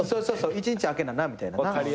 「１日空けなな」みたいな。